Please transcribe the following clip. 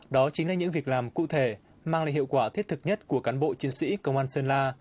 đó chính là những việc làm cụ thể mang lại hiệu quả thiết thực nhất của cán bộ chiến sĩ công an sơn la